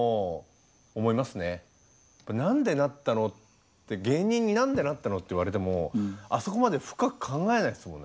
「何でなったの？」って「芸人に何でなったの？」って言われてもあそこまで深く考えないですもんね。